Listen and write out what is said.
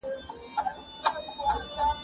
هم خوارځواکی هم ناروغه هم نېستمن وو